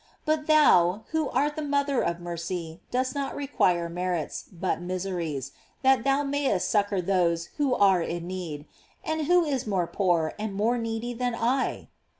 But thou, who art the mother of mercy, dost not require merits, but miseries, that thou mayest succor those who are in need; and who is more poor and more needy than I?